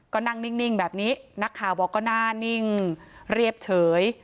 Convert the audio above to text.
ก็นั่งนิ่งแบบนี้นักข่าวบอกก็หน้านิ่งเรียบเฉย